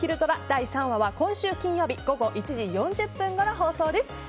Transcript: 第３話は今週金曜日午後１時４０分ごろ放送です。